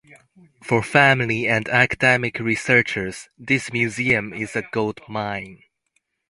For family and academic researchers this museum is a gold mine.